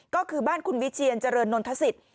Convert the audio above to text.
ก็คือบ้านคุณวิเชียรเจริญนนทศิษย์